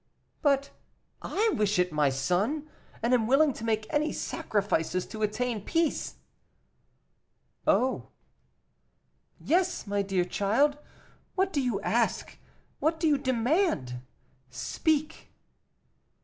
"But I wish it, my son, and am willing to make any sacrifices to attain peace." "Oh!" "Yes, my dear child. What do you ask? what do you demand? Speak."